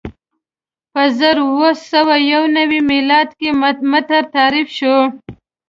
په زر اووه سوه یو نوې میلادي کې متر تعریف شو.